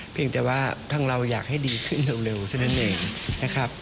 เพียงแต่ว่าทั้งเราอยากให้ดีขึ้นเร็วเท่านั้นเองนะครับ